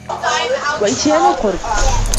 وَإِتْيَانَ الْقُرَبِ